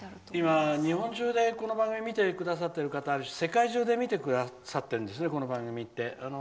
今、日本中でこの番組を見てくださってる方世界中で見てくださっているんですよね、この番組って。